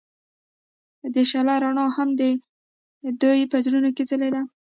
د شعله رڼا هم د دوی په زړونو کې ځلېده.